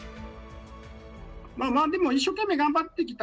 まあでも一生懸命頑張ってきた